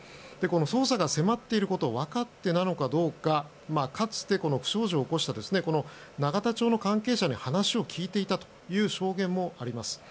捜査が迫っていることを分かってなのかどうかかつて不祥事を起こした永田町の関係者に話を聞いていたという証言もあります。